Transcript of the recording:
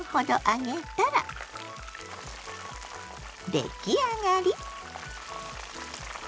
出来上がり！